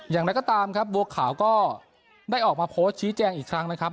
อย่างไรก็ตามครับบัวขาวก็ได้ออกมาโพสต์ชี้แจงอีกครั้งนะครับ